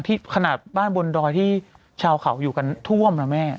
ขนาดบ้านบนดอยที่ชาวเขาอยู่กันท่วมนะแม่